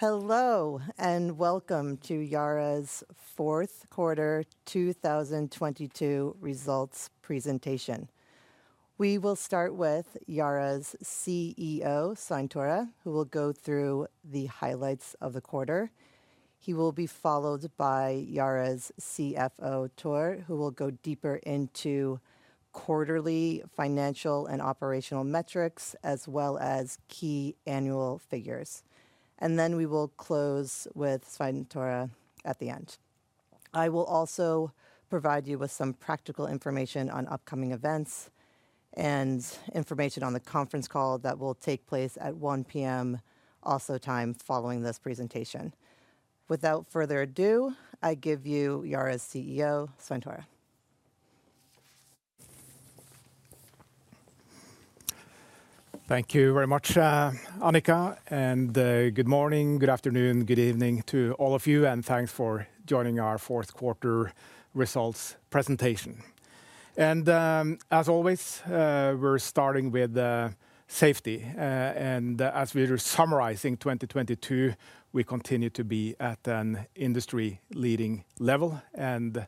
Hello, and welcome to Yara's fourth quarter 2022 results presentation. We will start with Yara's CEO, Svein Tore, who will go through the highlights of the quarter. He will be followed by Yara's CFO, Thor, who will go deeper into quarterly financial and operational metrics, as well as key annual figures. Then we will close with Svein Tore at the end. I will also provide you with some practical information on upcoming events and information on the conference call that will take place at 1:00 P.M. also time following this presentation. Without further ado, I give you Yara's CEO, Svein Tore. Thank you very much, Anika, good morning, good afternoon, good evening to all of you and thanks for joining our fourth quarter results presentation. As always, we're starting with safety. As we're summarizing 2022, we continue to be at an industry leading level and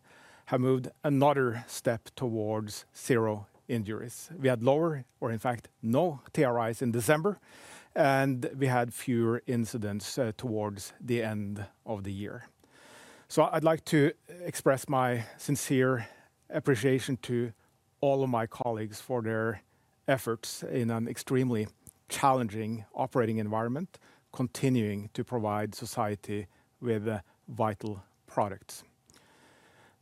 have moved another step towards zero injuries. We had lower, or in fact no TRI in December, and we had fewer incidents towards the end of the year. I'd like to express my sincere appreciation to all of my colleagues for their efforts in an extremely challenging operating environment, continuing to provide society with vital products.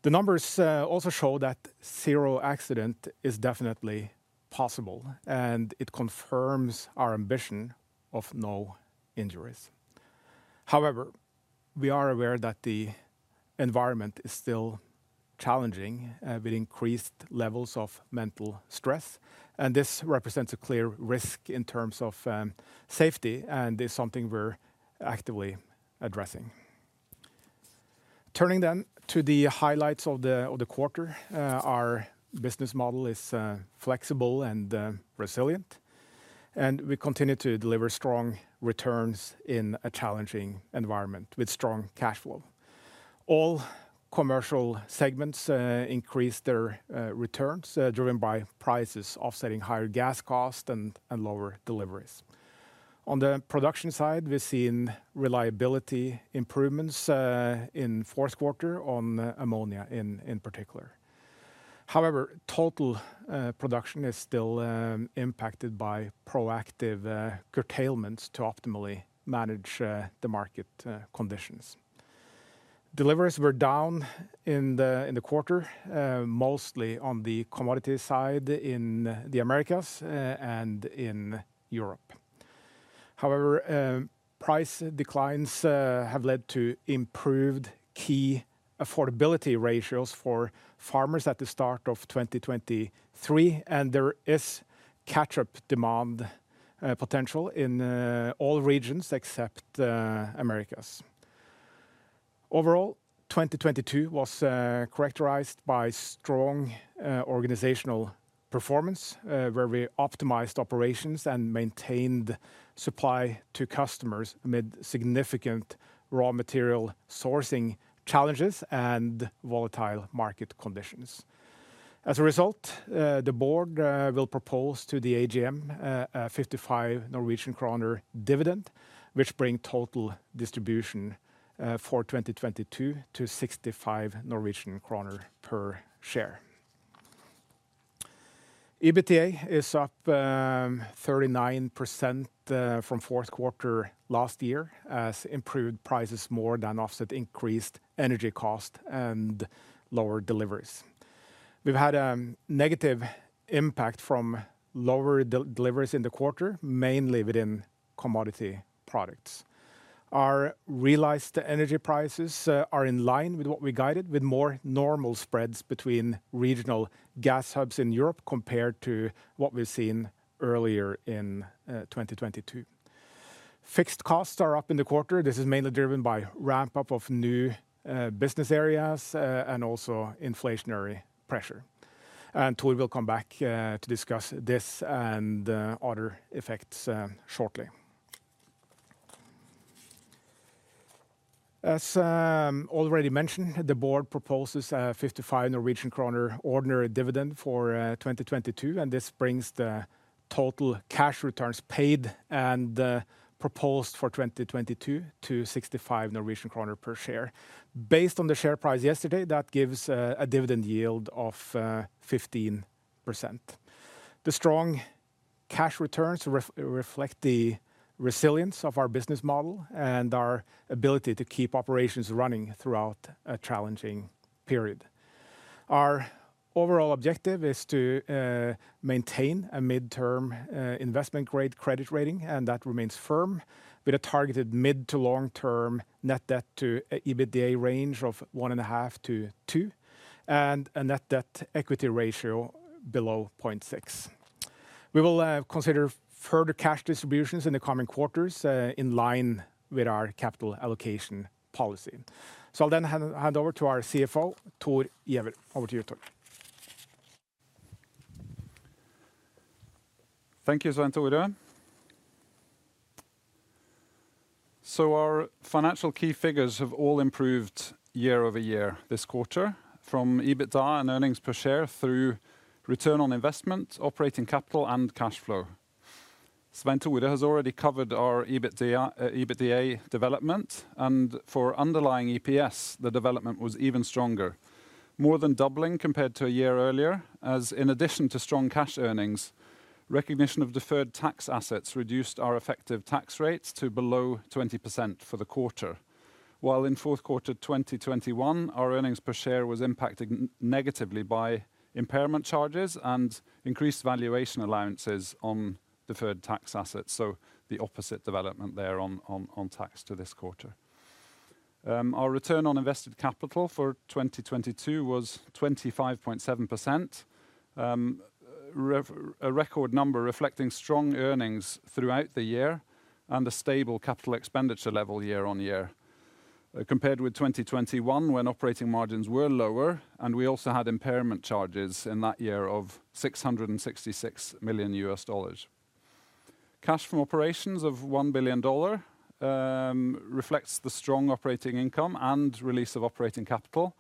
The numbers also show that zero accident is definitely possible, and it confirms our ambition of no injuries. However, we are aware that the environment is still challenging, with increased levels of mental stress, and this represents a clear risk in terms of safety and is something we're actively addressing. Turning to the highlights of the quarter, our business model is flexible and resilient, and we continue to deliver strong returns in a challenging environment with strong cash flow. All commercial segments increase their returns, driven by prices offsetting higher gas costs and lower deliveries. On the production side, we've seen reliability improvements in fourth quarter on ammonia in particular. However, total production is still impacted by proactive curtailments to optimally manage the market conditions. Deliveries were down in the quarter, mostly on the commodity side in the Americas and in Europe. However, price declines have led to improved key affordability ratios for farmers at the start of 2023. There is catch-up demand potential in all regions except Americas. Overall, 2022 was characterized by strong organizational performance, where we optimized operations and maintained supply to customers amid significant raw material sourcing challenges and volatile market conditions. As a result, the board will propose to the AGM a 55 Norwegian kroner dividend, which bring total distribution for 2022 to 65 Norwegian kroner per share. EBITDA is up 39% from fourth quarter last year as improved prices more than offset increased energy cost and lower deliveries. We've had a negative impact from lower deliveries in the quarter, mainly within commodity products. Our realized energy prices are in line with what we guided with more normal spreads between regional gas hubs in Europe compared to what we've seen earlier in 2022. Fixed costs are up in the quarter. This is mainly driven by ramp up of new business areas and also inflationary pressure. Thor will come back to discuss this and other effects shortly. As already mentioned, the board proposes a 55 Norwegian kroner ordinary dividend for 2022. This brings the total cash returns paid and proposed for 2022 to 65 Norwegian kroner per share. Based on the share price yesterday, that gives a dividend yield of 15%. The strong cash returns reflect the resilience of our business model and our ability to keep operations running throughout a challenging period. Our overall objective is to maintain a midterm investment-grade credit rating, and that remains firm with a targeted mid to long term net debt to EBITDA range of 1.5-2, and a net debt equity ratio below 0.6. We will consider further cash distributions in the coming quarters in line with our capital allocation policy. I'll then hand over to our CFO, Thor Giæver. Over to you, Thor. Thank you, Svein Tore. Our financial key figures have all improved year-over-year this quarter from EBITDA and earnings per share through Return on Investment, Operating Capital and Cash Flow. Svein Tore has already covered our EBITDA development and for underlying EPS, the development was even stronger, more than doubling compared to a year earlier. As in addition to strong cash earnings, recognition of deferred tax assets reduced our effective tax rates to below 20% for the quarter. While in fourth quarter of 2021, our earnings per share was impacted negatively by impairment charges and increased valuation allowances on deferred tax assets, so the opposite development there on tax to this quarter. Our return on invested capital for 2022 was 25.7%, a record number reflecting strong earnings throughout the year and a stable capital expenditure level year-on-year. Compared with 2021 when operating margins were lower and we also had impairment charges in that year of $666 million. Cash from operations of $1 billion reflects the strong operating income and release of operating capital,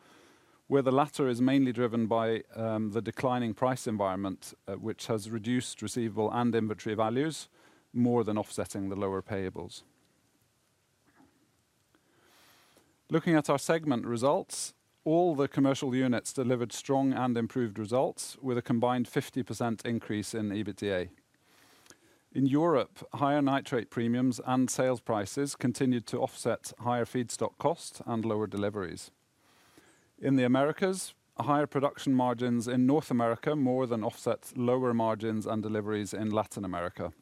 where the latter is mainly driven by the declining price environment, which has reduced receivable and inventory values more than offsetting the lower payables. Looking at our segment results, all the commercial units delivered strong and improved results with a combined 50% increase in EBITDA. In Europe, higher nitrate premiums and sales prices continued to offset higher feedstock costs and lower deliveries. In the Americas, higher production margins in North America more than offset lower margins and deliveries in Latin America.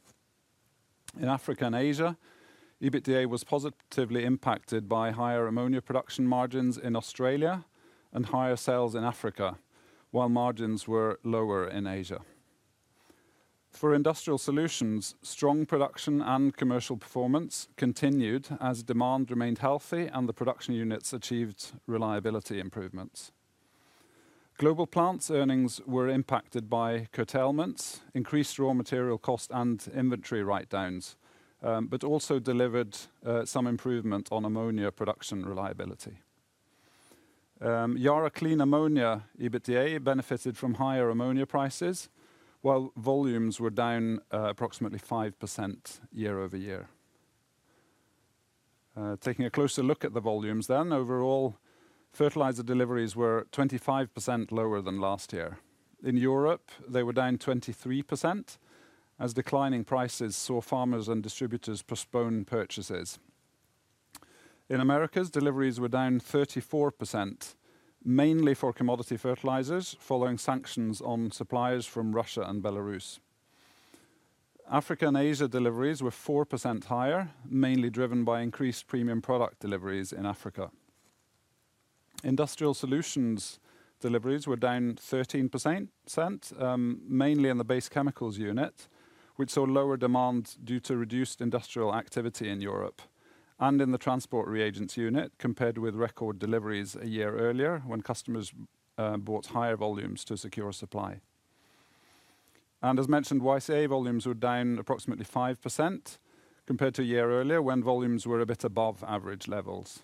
In Africa and Asia, EBITDA was positively impacted by higher ammonia production margins in Australia and higher sales in Africa, while margins were lower in Asia. For Industrial Solutions, strong production and commercial performance continued as demand remained healthy and the production units achieved reliability improvements. Global Plants earnings were impacted by curtailments, increased raw material cost and inventory write-downs, but also delivered some improvement on ammonia production reliability. Yara Clean Ammonia EBITDA benefited from higher ammonia prices while volumes were down approximately 5% year-over-year. Taking a closer look at the volumes then. Overall, fertilizer deliveries were 25% lower than last year. In Europe, they were down 23% as declining prices saw farmers and distributors postpone purchases. In Americas, deliveries were down 34%, mainly for commodity fertilizers following sanctions on suppliers from Russia and Belarus. Africa and Asia deliveries were 4% higher, mainly driven by increased premium product deliveries in Africa. Industrial Solutions deliveries were down 13%, mainly in the base chemicals unit, which saw lower demand due to reduced industrial activity in Europe and in the Transport Reagents unit compared with record deliveries a year earlier when customers bought higher volumes to secure supply. As mentioned, YCA volumes were down approximately 5% compared to a year earlier when volumes were a bit above average levels.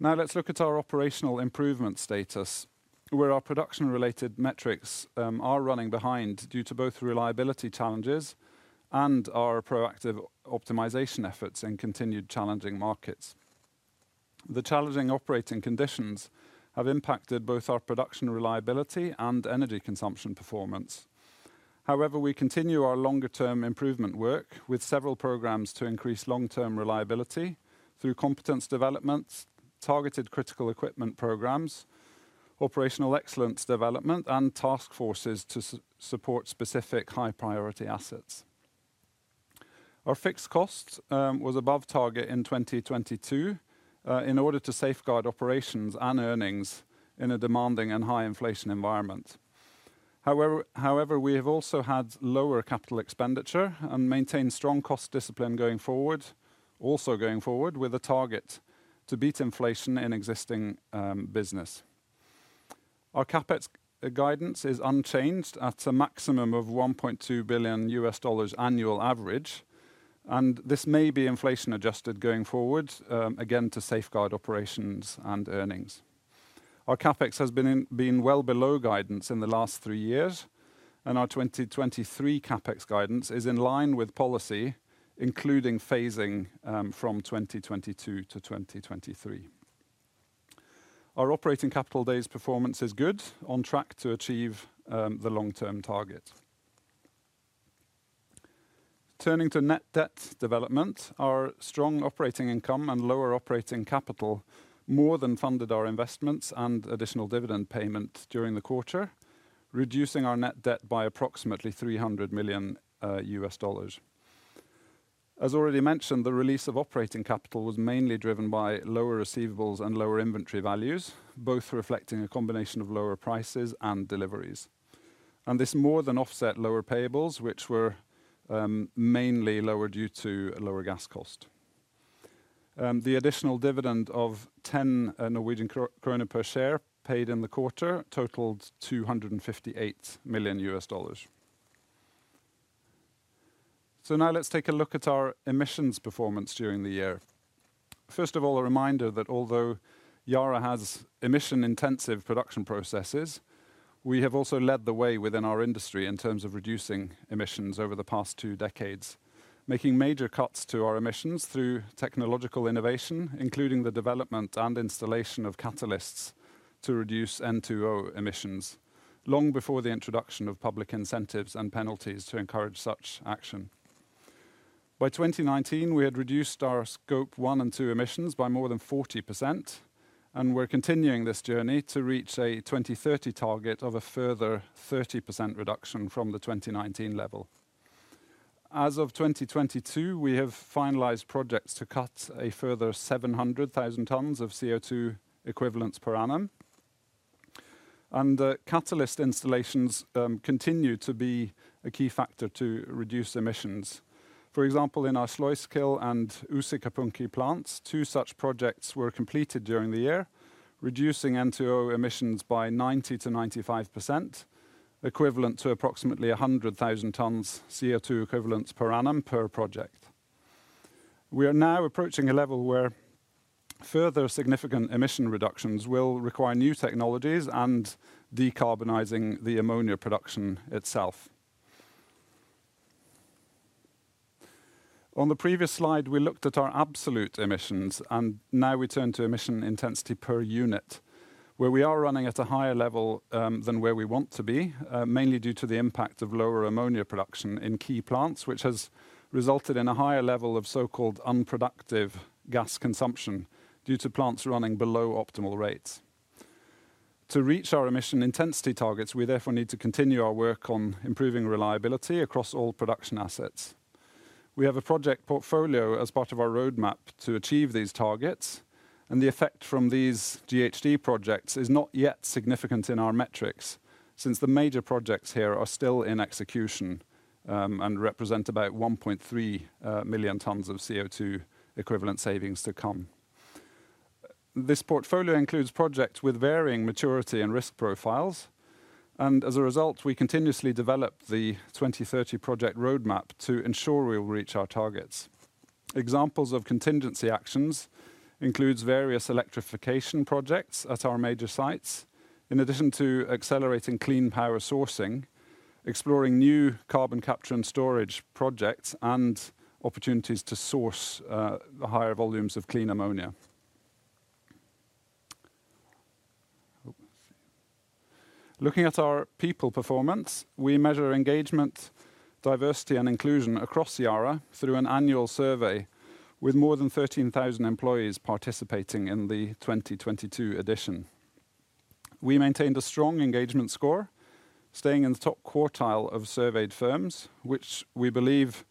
Let's look at our operational improvement status, where our production related metrics are running behind due to both reliability challenges and our proactive optimization efforts in continued challenging markets. The challenging operating conditions have impacted both our production reliability and energy consumption performance. We continue our longer-term improvement work with several programs to increase long-term reliability through competence developments, targeted critical equipment programs, operational excellence development and task forces to support specific high priority assets. Our fixed cost was above target in 2022 in order to safeguard operations and earnings in a demanding and high inflation environment. We have also had lower capital expenditure and maintained strong cost discipline going forward, also going forward with a target to beat inflation in existing business. Our CapEx guidance is unchanged at a maximum of $1.2 billion annual average. This may be inflation adjusted going forward again, to safeguard operations and earnings. Our CapEx has been well below guidance in the last three years, and our 2023 CapEx guidance is in line with policy, including phasing from 2022 to 2023. Our operating capital days performance is good, on track to achieve the long term target. Turning to net debt development. Our strong operating income and lower operating capital more than funded our investments and additional dividend payment during the quarter, reducing our net debt by approximately $300 million. As already mentioned, the release of operating capital was mainly driven by lower receivables and lower inventory values, both reflecting a combination of lower prices and deliveries. This more than offset lower payables, which were mainly lower due to lower gas cost. The additional dividend of 10 Norwegian krone per share paid in the quarter totaled $258 million. Now let's take a look at our emissions performance during the year. First of all, a reminder that although Yara has emission-intensive production processes, we have also led the way within our industry in terms of reducing emissions over the past two decades, making major cuts to our emissions through technological innovation, including the development and installation of catalysts to reduce N2O emissions long before the introduction of public incentives and penalties to encourage such action. By 2019, we had reduced our Scope 1 and 2 emissions by more than 40%, and we're continuing this journey to reach a 2030 target of a further 30% reduction from the 2019 level. As of 2022, we have finalized projects to cut a further 700,000 tons of CO2 equivalents per annum. The catalyst installations continue to be a key factor to reduce emissions. For example, in our Sluiskil and Uusikaupunki plants, two such projects were completed during the year, reducing N2O emissions by 90%-95%, equivalent to approximately 100,000 tons CO2 equivalents per annum per project. We are now approaching a level where further significant emission reductions will require new technologies and decarbonizing the ammonia production itself. On the previous slide, we looked at our absolute emissions. Now we turn to emission intensity per unit, where we are running at a higher level than where we want to be, mainly due to the impact of lower ammonia production in key plants, which has resulted in a higher level of so-called unproductive gas consumption due to plants running below optimal rates. To reach our emission intensity targets, we therefore need to continue our work on improving reliability across all production assets. We have a project portfolio as part of our roadmap to achieve these targets. The effect from these GHG projects is not yet significant in our metrics since the major projects here are still in execution, and represent about 1.3 million tons of CO2 equivalent savings to come. This portfolio includes projects with varying maturity and risk profiles, and as a result, we continuously develop the 2030 project roadmap to ensure we will reach our targets. Examples of contingency actions includes various electrification projects at our major sites, in addition to accelerating clean power sourcing, exploring new carbon capture and storage projects, and opportunities to source the higher volumes of clean ammonia. Looking at our people performance, we measure engagement, diversity, and inclusion across Yara through an annual survey with more than 13,000 employees participating in the 2022 edition. We maintained a strong engagement score, staying in the top quartile of surveyed firms, which we believe,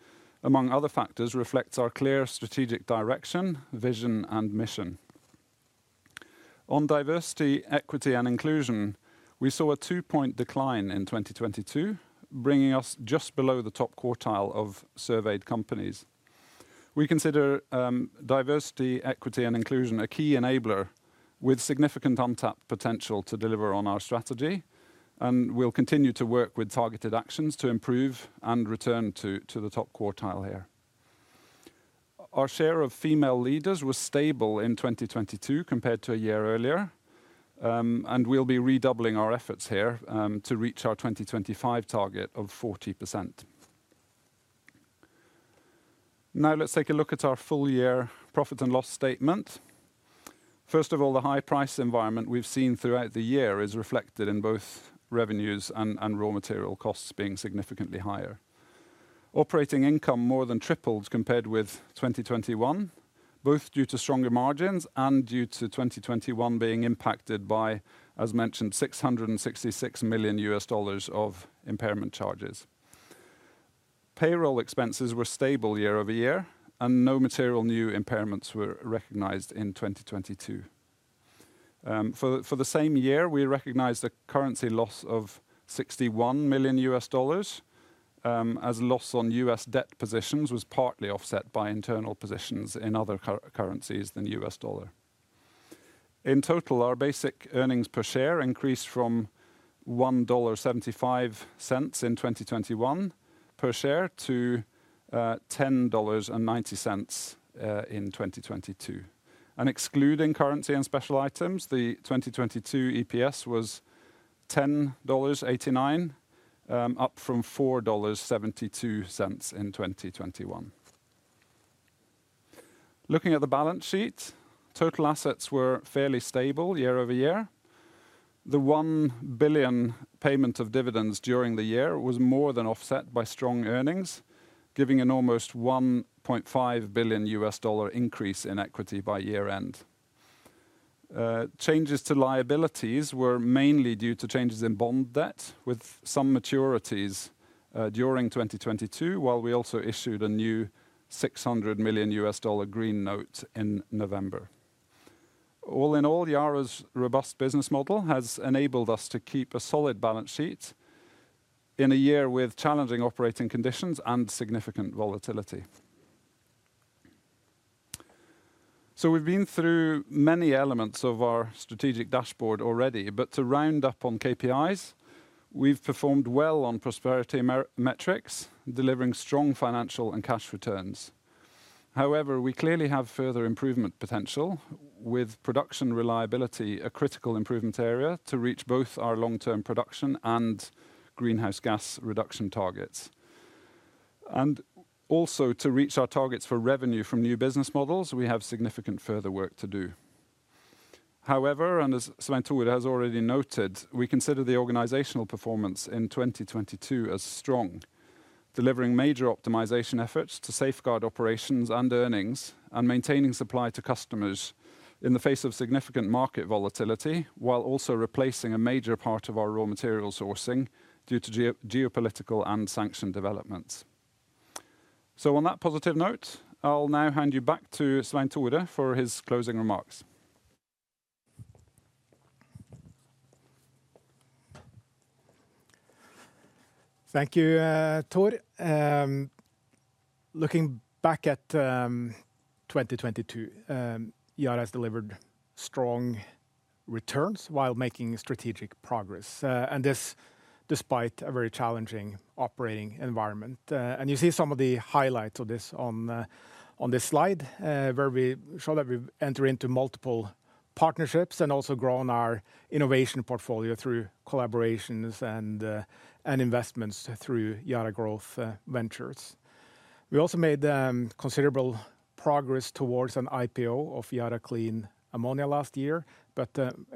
among other factors, reflects our clear strategic direction, vision, and mission. On diversity, equity, and inclusion, we saw a 2-point decline in 2022, bringing us just below the top quartile of surveyed companies. We consider diversity, equity, and inclusion a key enabler with significant untapped potential to deliver on our strategy, and we'll continue to work with targeted actions to improve and return to the top quartile here. Our share of female leaders was stable in 2022 compared to a year earlier, and we'll be redoubling our efforts here to reach our 2025 target of 40%. Let's take a look at our full year profit and loss statement. First of all, the high price environment we've seen throughout the year is reflected in both revenues and raw material costs being significantly higher. Operating income more than tripled compared with 2021, both due to stronger margins and due to 2021 being impacted by, as mentioned, $666 million of impairment charges. Payroll expenses were stable year-over-year, and no material new impairments were recognized in 2022. For the same year, we recognized a currency loss of $61 million, as loss on U.S. debt positions was partly offset by internal positions in other currencies than U.S. dollar. In total, our basic EPS increased from $1.75 in 2021 per share to $10.90 in 2022. Excluding currency and special items, the 2022 EPS was $10.89, up from $4.72 in 2021. Looking at the balance sheet, total assets were fairly stable year-over-year. The $1 billion payment of dividends during the year was more than offset by strong earnings, giving an almost $1.5 billion increase in equity by year-end. Changes to liabilities were mainly due to changes in bond debt with some maturities during 2022, while we also issued a new $600 million Green Note in November. All in all, Yara's robust business model has enabled us to keep a solid balance sheet in a year with challenging operating conditions and significant volatility. We've been through many elements of our strategic dashboard already, but to round up on KPIs, we've performed well on prosperity metrics, delivering strong financial and cash returns. However, we clearly have further improvement potential with production reliability, a critical improvement area to reach both our long-term production and greenhouse gas reduction targets. Also to reach our targets for revenue from new business models, we have significant further work to do. And as Svein Tore has already noted, we consider the organizational performance in 2022 as strong, delivering major optimization efforts to safeguard operations and earnings, and maintaining supply to customers in the face of significant market volatility, while also replacing a major part of our raw material sourcing due to geopolitical and sanction developments. On that positive note, I'll now hand you back to Svein Tore for his closing remarks. Thank you, Thor. Looking back at 2022, Yara has delivered strong returns while making strategic progress. This despite a very challenging operating environment. You see some of the highlights of this on this slide, where we show that we enter into multiple partnerships and also grown our innovation portfolio through collaborations and investments through Yara Growth Ventures. We also made considerable progress towards an IPO of Yara Clean Ammonia last year,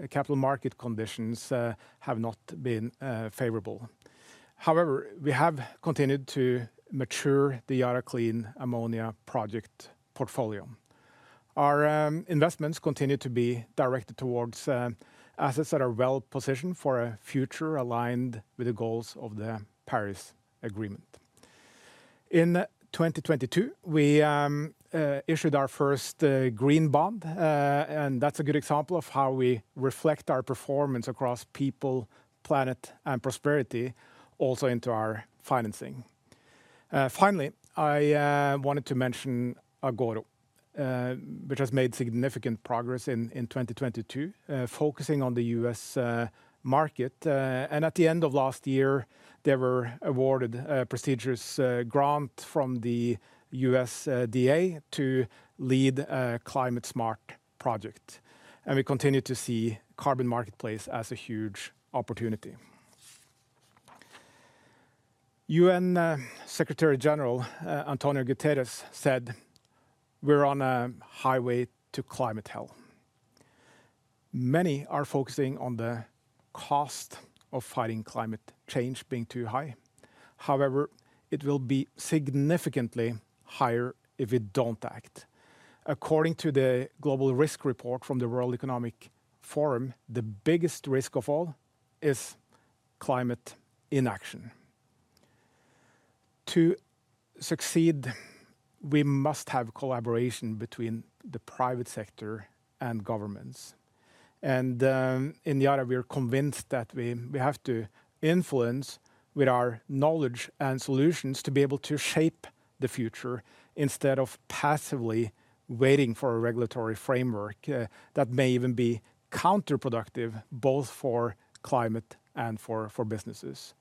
capital market conditions have not been favorable. However, we have continued to mature the Yara Clean Ammonia project portfolio. Our investments continue to be directed towards assets that are well positioned for a future aligned with the goals of the Paris Agreement. In 2022, we issued our first green bond, and that's a good example of how we reflect our performance across people, planet, and prosperity also into our financing. Finally, I wanted to mention Agoro, which has made significant progress in 2022, focusing on the U.S. market. At the end of last year, they were awarded a prestigious grant from the USDA to lead a climate smart project, and we continue to see carbon marketplace as a huge opportunity. UN Secretary General António Guterres said, "We're on a highway to climate hell." Many are focusing on the cost of fighting climate change being too high. However, it will be significantly higher if we don't act. According to the Global Risks Report from the World Economic Forum, the biggest risk of all is climate inaction. To succeed, we must have collaboration between the private sector and governments. In Yara, we are convinced that we have to influence with our knowledge and solutions to be able to shape the future instead of passively waiting for a regulatory framework that may even be counterproductive both for climate and for businesses.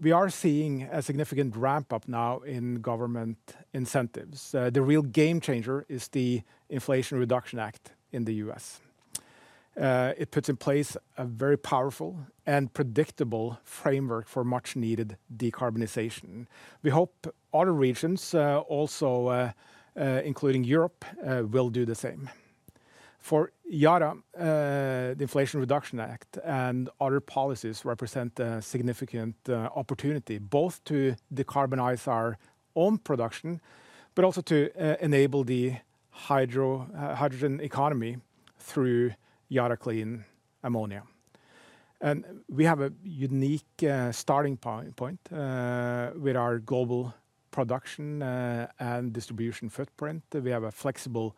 We are seeing a significant ramp up now in government incentives. The real game changer is the Inflation Reduction Act in the U.S. It puts in place a very powerful and predictable framework for much needed decarbonization. We hope other regions also including Europe will do the same. For Yara, the Inflation Reduction Act and other policies represent a significant opportunity both to decarbonize our own production, but also to enable the hydrogen economy through Yara Clean Ammonia. We have a unique starting point with our global production and distribution footprint. We have a flexible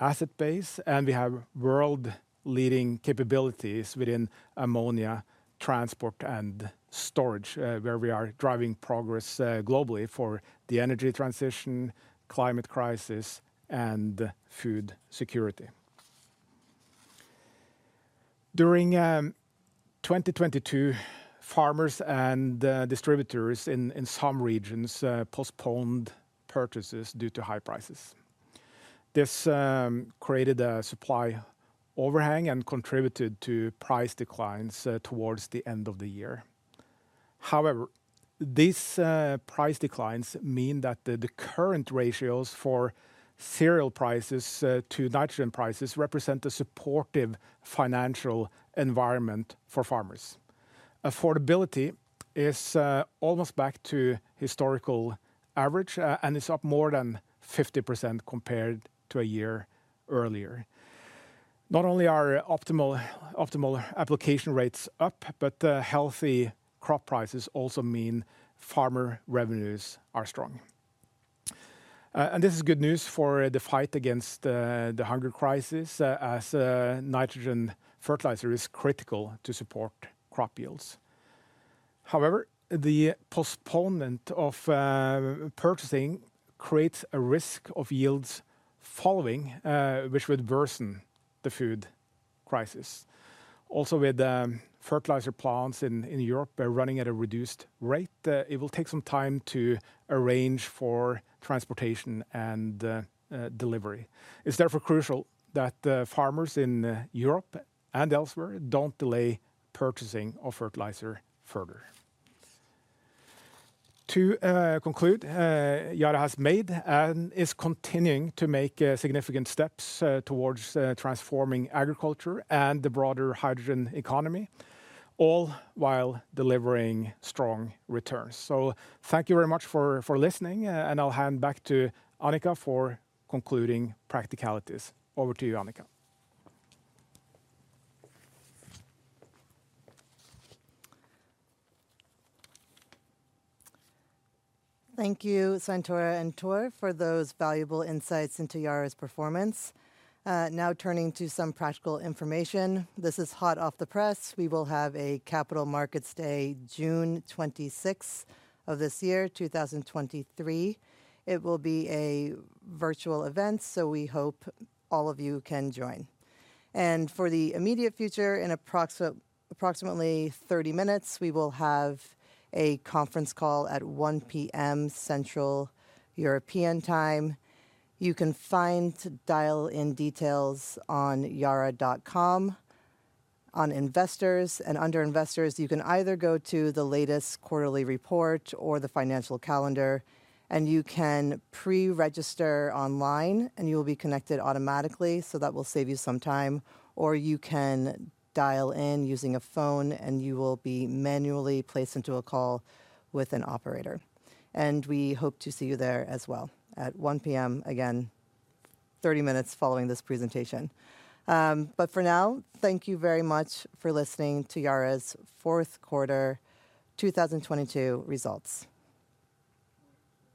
asset base, and we have world-leading capabilities within ammonia transport and storage, where we are driving progress globally for the energy transition, climate crisis, and food security. During 2022, farmers and distributors in some regions postponed purchases due to high prices. This created a supply overhang and contributed to price declines towards the end of the year. However, these price declines mean that the current ratios for cereal prices to nitrogen prices represent a supportive financial environment for farmers. Affordability is almost back to historical average, and it's up more than 50% compared to a year earlier. Not only are optimal application rates up, but healthy crop prices also mean farmer revenues are strong. This is good news for the fight against the hunger crisis, as nitrogen fertilizer is critical to support crop yields. However, the postponement of purchasing creates a risk of yields falling, which would worsen the food crisis. Also, with fertilizer plants in Europe running at a reduced rate, it will take some time to arrange for transportation and delivery. It's therefore crucial that farmers in Europe and elsewhere don't delay purchasing of fertilizer further. To conclude, Yara has made and is continuing to make significant steps towards transforming agriculture and the broader hydrogen economy, all while delivering strong returns. Thank you very much for listening, and I'll hand back to Anika for concluding practicalities. Over to you, Anika. Thank you, Svein Tore and Thor, for those valuable insights into Yara's performance. Now turning to some practical information. This is hot off the press. We will have a Capital Markets Day June 26 of this year, 2023. It will be a virtual event, so we hope all of you can join. For the immediate future, in approximately 30 minutes, we will have a conference call at 1:00 P.M. Central European Time. You can find dial-in details on yara.com on Investors. Under Investors, you can either go to the latest quarterly report or the financial calendar, and you can pre-register online, and you will be connected automatically, so that will save you some time. You can dial in using a phone, and you will be manually placed into a call with an operator. We hope to see you there as well at 1:00 P.M., again, 30 minutes following this presentation. For now, thank you very much for listening to Yara's fourth quarter 2022 results.